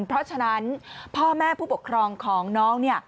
เพราะฉะนั้นพ่อแม่ผู้ปกครองของน้อง